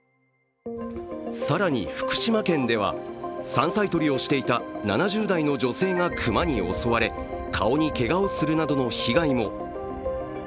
更に、福島県では山菜採りをしていた７０代の女性が熊に襲われ顔にけがをするなどの被害も。